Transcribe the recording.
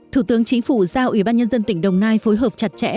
thủ tướng chính phủ giao ủy ban nhân dân tỉnh đồng nai phối hợp chặt chẽ